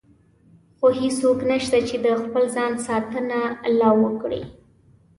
خو هېڅوک نشته چې د خپل ځان ساتنه لا وکړي.